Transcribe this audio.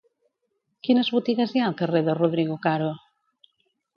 Quines botigues hi ha al carrer de Rodrigo Caro?